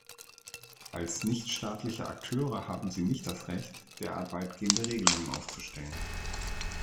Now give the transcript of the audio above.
Als nicht staatliche Akteure haben sie nicht das Recht, derart weitgehende Regelungen aufzustellen.